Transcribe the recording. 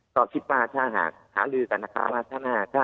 ก็คิดว่าถ้าหากหาลือกันนะคะว่า